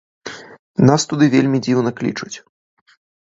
Нас туды вельмі дзіўна клічуць.